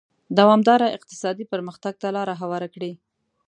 دوامداره اقتصادي پرمختګ ته لار هواره کړي.